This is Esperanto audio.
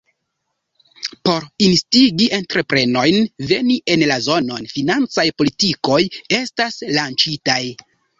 Por instigi entreprenojn veni en la zonon, financaj politikoj estas lanĉitaj.